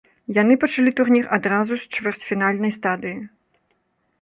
Яны пачалі турнір адразу з чвэрцьфінальнай стадыі.